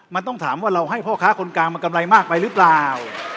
มันต้องถามว่าเราให้พ่อค้าคนกลางมากำไรมากไปหรือเปล่า